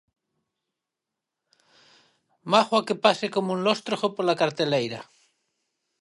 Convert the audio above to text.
Mágoa que pase coma un lóstrego pola carteleira...